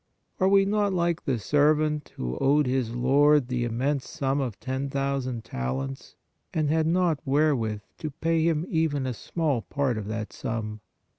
Are we not like the servant who owed his lord the immense sum of ten thousand talents, and had not wherewith to pay him even a small part of that sum?